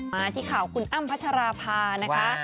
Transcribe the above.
มาที่ข่าวคุณอ้ำพัชราภานะคะ